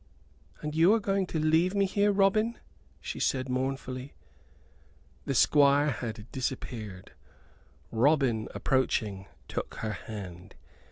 "And you are going to leave me, Robin?" she said, mournfully. The Squire had disappeared. Robin, approaching, took her hand.